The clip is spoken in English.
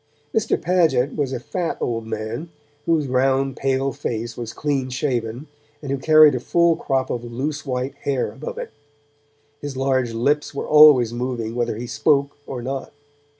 Mr. Paget was a fat old man, whose round pale face was clean shaven, and who carried a full crop of loose white hair above it; his large lips were always moving, whether he spoke or not.